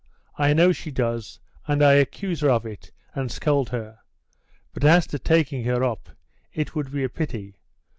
I know she does, and I accuse her of it and scold her; but as to taking her up, it would be a pity.